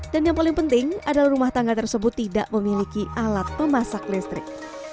dan yang paling penting adalah rumah tangga tersebut tidak memiliki alat memasak listrik